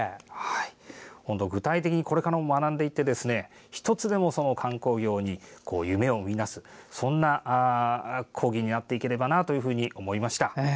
本当、具体的にこれからも学んでいって１つでも観光業に夢を見いだすそんな講義になっていければなと思いました。